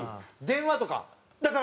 電話とか？